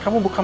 ya masuk rick